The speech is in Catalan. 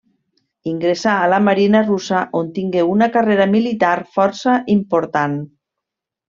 Ingressà a la Marina russa on tingué una carrera militar força important.